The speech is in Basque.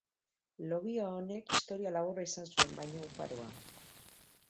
Logia honek historia laburra izan zuen, baino oparoa.